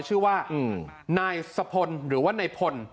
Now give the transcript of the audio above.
ชื่อว่า้นายสบทหรือว่าไนท์พล